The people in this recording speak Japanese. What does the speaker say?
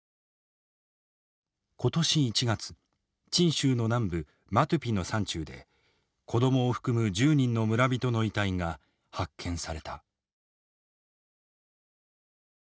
今年１月チン州の南部マトゥピの山中で子供を含む１０人の村人の遺体が発見された。